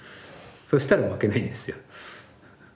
そしたら負けないんですよ。